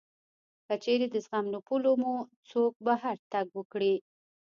که چېرې د زغم له پولو مو څوک بهر تګ وکړي